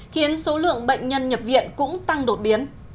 khiến số lượng bệnh nhân nhập viện cũng tăng đột biến